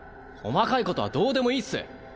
細かいことはどうでもいいっす。